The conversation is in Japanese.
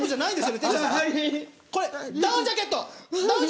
これ、ダウンジャケット。